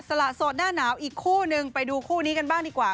ละสดหน้าหนาวอีกคู่นึงไปดูคู่นี้กันบ้างดีกว่า